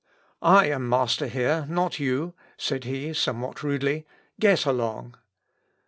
"I am master here, not you," said he, somewhat rudely; "get along."